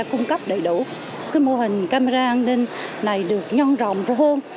cung cấp đầy đủ cái mô hình camera an ninh này được nhon rộng rô rộng